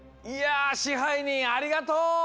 いや支配人ありがとう！